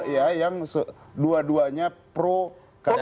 ya yang dua duanya pro kpk